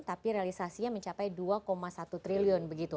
tapi realisasinya mencapai dua satu triliun begitu